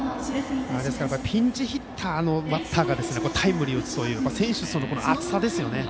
ピンチヒッターのバッターがタイムリーを打つという選手層の厚さですよね。